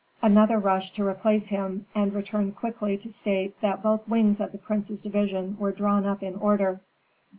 Another rushed to replace him and returned quickly to state that both wings of the prince's division were drawn up in order.